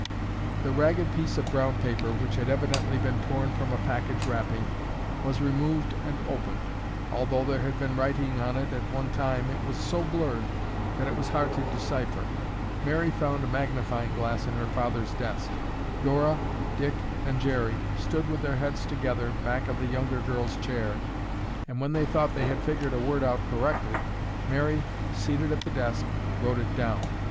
The ragged piece of brown paper, which had evidently been torn from a package wrapping, was removed and opened. Although there had been writing on it at one time, it was so blurred that it was hard to decipher. Mary found a magnifying glass in her father's desk. Dora, Dick and Jerry stood with their heads together back of the younger girl's chair, and when they thought they had figured a word out correctly, Mary, seated at the desk, wrote it down.